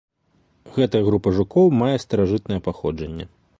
Гэтая група жукоў мае старажытнае паходжанне.